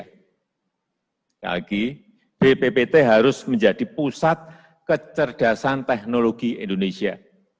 sekali lagi bppt harus menjadi pusat kecerdasan teknologi indonesia